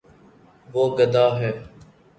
وہ گد ہ ہے